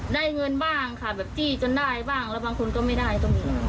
ได้เงินบ้างค่ะแบบจี้จนได้บ้างแล้วบางคนก็ไม่ได้ก็มี